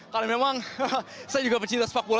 karena memang saya juga pencinta sepak kukus